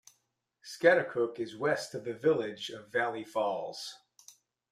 Schaghticoke is west of the Village of Valley Falls.